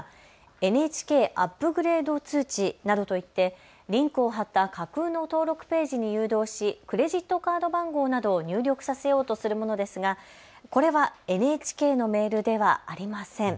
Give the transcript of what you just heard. ＮＨＫアップグレード通知などといってリンクを貼った架空の登録ページに誘導しクレジットカード番号などを入力させようとするものですがこれはＮＨＫのメールではありません。